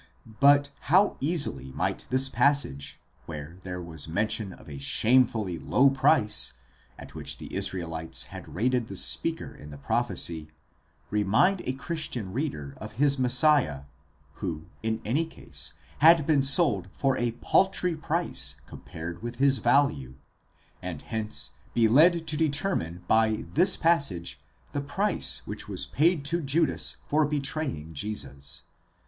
* But how easily might this passage, where there was mention of a shamefully low price (ironically @ goodly price "Pi VS), at which the Israelites had rated the speaker in the prophecy, remind a Christian reader of his Messiah, who, in any case, had been sold for a paltry price compared with his value, and hence be led to determine by this passage, the price which was paid to Judas for betraying Jesus.